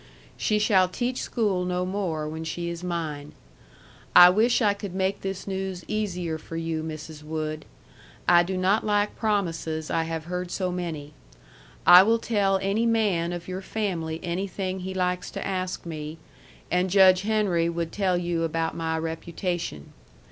She shall teach school no more when she is mine. I wish I could make this news easier for you Mrs. Wood. I do not like promises I have heard so many. I will tell any man of your family anything he likes to ask one, and Judge Henry would tell you about my reputation.